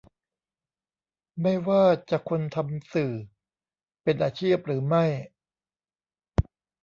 ไม่ว่าจะคนทำสื่อเป็นอาชีพหรือไม่